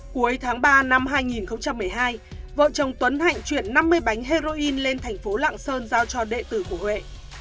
cuối tháng ba năm hai nghìn một mươi hai vợ chồng tuấn hạnh chuyển năm mươi bánh heroin lên thành phố lạng sơn giao cho đệ tử của huệ